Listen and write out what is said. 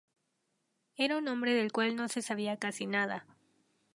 Era un hombre del cual no se sabía casi nada.